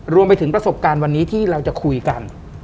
รวมไปถึงประสบการณ์วันนี้ที่เราจะคุยกัน